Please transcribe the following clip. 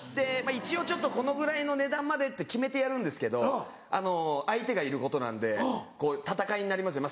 一応このぐらいの値段までって決めてやるんですけど相手がいることなんでこう戦いになりますよ。